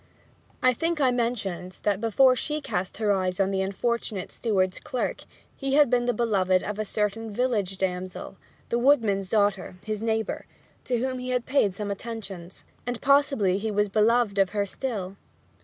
I think I mentioned that, before she cast eyes on the unfortunate steward's clerk, he had been the beloved of a certain village damsel, the woodman's daughter, his neighbour, to whom he had paid some attentions; and possibly he was beloved of her still.